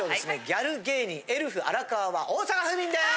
ギャル芸人エルフ荒川は大阪府民です！